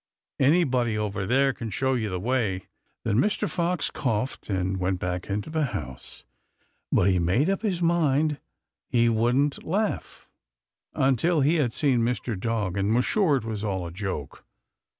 Anybody over there can show you the way." Then Mr. Fox coughed and went back into the house, but he made up his mind he wouldn't laugh until he had seen Mr. Dog and was sure it was all a joke.